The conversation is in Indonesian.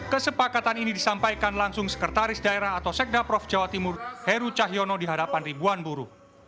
kesepakatan ini disampaikan langsung sekretaris daerah atau sekda prof jawa timur heru cahyono di hadapan ribuan buruh